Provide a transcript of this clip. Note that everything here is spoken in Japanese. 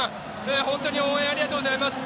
本当に応援ありがとうございます。